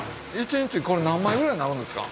一日これ何枚ぐらいなるんですか？